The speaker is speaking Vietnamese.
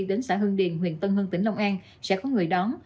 đến xã hương điền huyện tân hưng tỉnh long an sẽ có người đón